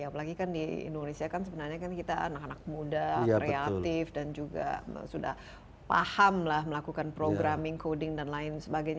apalagi kan di indonesia kan sebenarnya kita anak anak muda kreatif dan juga sudah paham lah melakukan programming coding dan lain sebagainya